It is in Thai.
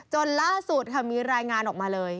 จนล่าสุดค่ะมีรายงานออกมาเลย